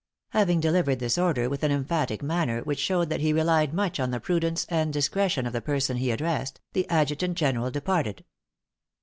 Having delivered this order with an emphatic manner which showed that he relied much on the prudence and discretion of the person he addressed, the adjutant general departed.